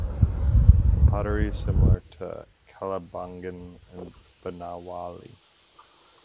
The pottery is similar to Kalibangan and Banawali.